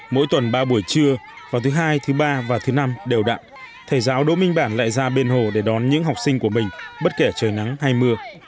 mỗi tuần ba buổi trưa vào thứ hai thứ ba và thứ năm đều đặn thầy giáo đỗ minh bản lại ra bên hồ để đón những học sinh của mình bất kể trời nắng hay mưa